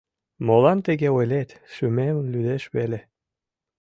Молан тыге ойлет, шӱмем лӱдеш веле...